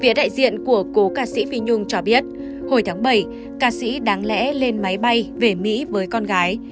phía đại diện của cố ca sĩ phi nhung cho biết hồi tháng bảy ca sĩ đáng lẽ lên máy bay về mỹ với con gái